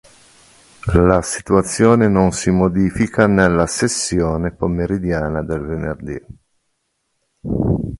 La situazione non si modifica nella sessione pomeridiana del venerdì.